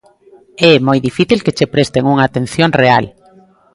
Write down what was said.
É moi difícil que che presten unha atención real.